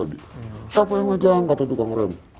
siapa yang megang kata tukang rem